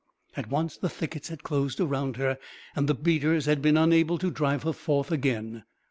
At once the thickets had closed around her, and the beaters had been unable to drive her forth again.